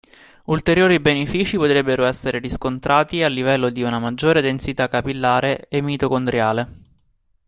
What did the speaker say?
Ulteriori benefici potrebbero essere riscontrati a livello di una maggiore densità capillare e mitocondriale.